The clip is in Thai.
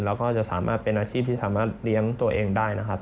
แล้วก็จะสามารถเป็นอาชีพที่สามารถเลี้ยงตัวเองได้นะครับ